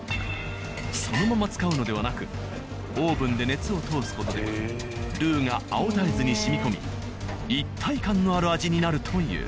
そのまま使うのではなくオーブンで熱を通す事でルウが青大豆に染み込み一体感のある味になるという。